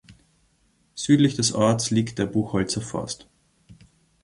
Südlich des Ortes liegt der Buchholzer Forst.